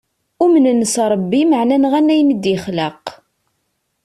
Umnen s rebbi maɛna nɣan ayen id-yexleq.